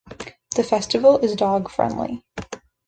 The festival is dog friendly.